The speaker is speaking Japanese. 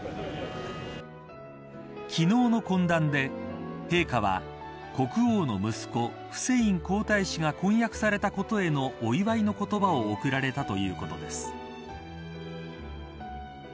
昨日の懇談で、陛下は国王の息子、フセイン皇太子が婚約されたことへのお祝いの言葉を贈られたということです。